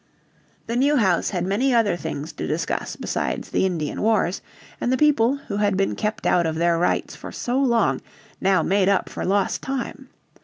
The new House had many other things to discuss besides the Indian wars, and the people, who had been kept out of their rights for so long, now made up for lost time.